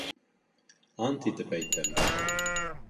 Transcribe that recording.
Ант итеп әйтәм!..